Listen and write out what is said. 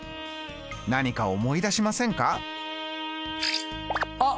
何か思い出しませんか？